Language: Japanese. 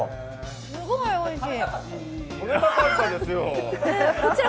すごいおいしい。